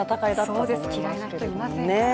そうです、嫌いな人いませんから。